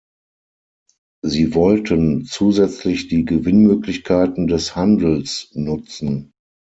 Sie wollten zusätzlich die Gewinnmöglichkeiten des Handels nutzen.